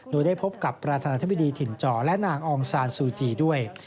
โดยได้พบกับประธานาธิบดีถิ่นจอและนางอองซานซูจีด้วย